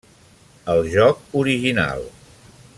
El joc original.